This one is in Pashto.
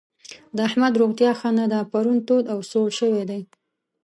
د احمد روغتيا ښه نه ده؛ پرون تود او سوړ شوی دی.